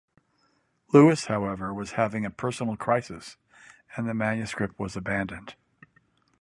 Lewis, however, was having a personal crisis and the manuscript was abandoned.